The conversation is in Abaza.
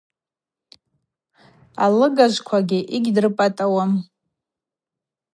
Алыгажвква йыгьдрыпӏатӏауам.